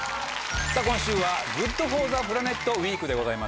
今週は「ＧｏｏｄＦｏｒｔｈｅＰｌａｎｅｔウィーク」でございます。